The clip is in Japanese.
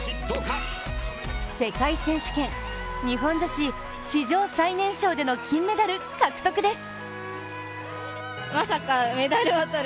世界選手権、日本女子史上最年少での金メダル獲得です。